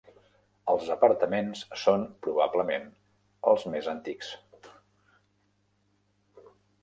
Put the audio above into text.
Els apartaments són probablement els més antics.